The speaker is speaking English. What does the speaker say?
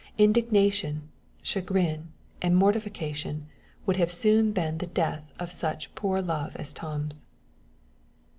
Indignation, chagrin, and mortification would have soon been the death of such poor love as Tom's.